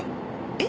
え？